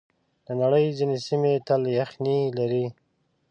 د نړۍ ځینې سیمې تل یخنۍ لري.